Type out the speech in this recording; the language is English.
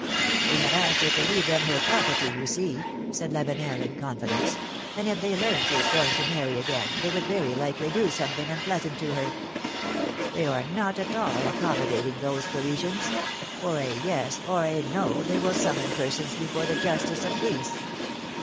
^^They have asked her to leave them her pro])erty, 3mu piiilomene's marriages. 107 see," said Lavenel in confidence, ^^and if they learn she is going to marry again, they would very likely do something unpleasant to her. They are not at all accommodating, those Parisians; for a ^yes,' or a ^no,^ they will summon persons before the Justice of Peace